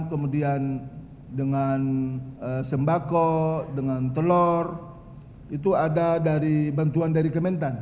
kemudian dengan sembako dengan telur itu ada dari bantuan dari kementan